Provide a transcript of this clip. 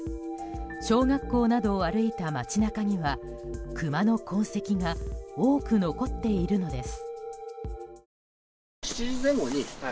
小学校などを歩いた街中にはクマの痕跡が多く残っているのです。